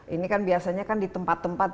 ini kan biasanya kan di tempat tempat